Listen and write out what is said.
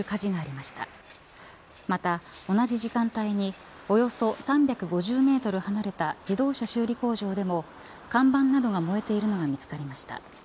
また、同じ時間帯におよそ３５０メートル離れた自動車修理工場でも看板などが燃えているのが見つかりました。